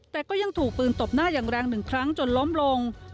แต่ก็ยังถูกปืนตบหน้าอย่างแรงหนึ่งครั้งจนล้มลง